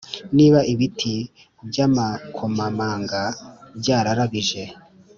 niba ibiti by amakomamanga byararabije